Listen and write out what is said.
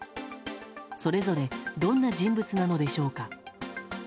それぞれどんな人物なのでしょうか。